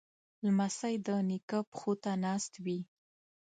لمسی د نیکه پښو ته ناست وي.